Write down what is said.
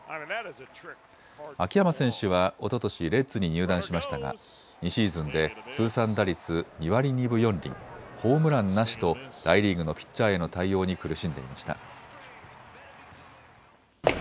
秋山選手はおととしレッズに入団しましたが２シーズンで通算打率２割２分４厘、ホームランなしと大リーグのピッチャーへの対応に苦しんでいました。